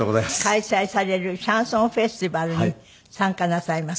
開催されるシャンソンフェスティバルに参加なさいます。